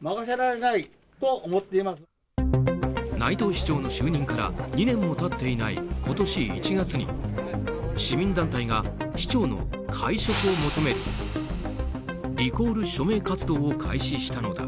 内藤市長の就任から２年も経っていない今年１月に市民団体が市長の解職を求めるリコール署名活動を開始したのだ。